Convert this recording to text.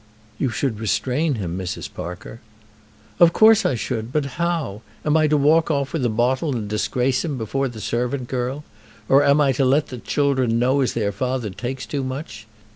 "You should restrain him, Mrs. Parker." "Of course I should; but how? Am I to walk off with the bottle and disgrace him before the servant girl? Or am I to let the children know as their father takes too much?